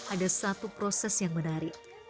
ada satu proses yang menarik